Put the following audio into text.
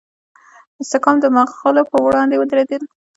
سکام د مغولو پر وړاندې ودریدل.